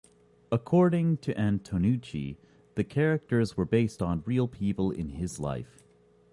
According to Antonucci, the characters were based on real people in his life.